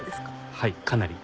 はいかなり。